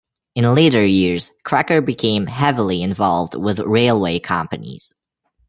In later years, Crocker became heavily involved with railway companies.